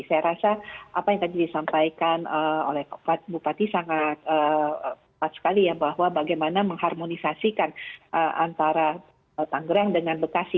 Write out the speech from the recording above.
saya rasa apa yang tadi disampaikan oleh bupati sangat pat sekali ya bahwa bagaimana mengharmonisasikan antara tanggerang dengan bekasi